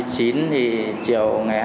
chiều ngày hai mươi chín